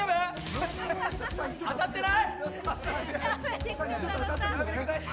当たってない？